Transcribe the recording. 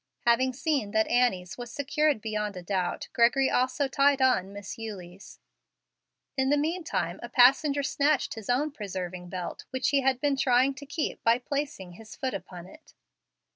Having seen that Annie's was secured beyond a doubt, Gregory also tied on Miss Eulie's. In the meantime a passenger snatched his own preserving belt, which he had been trying to keep by placing his foot upon it.